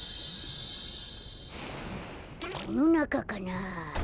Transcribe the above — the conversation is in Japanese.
このなかかな？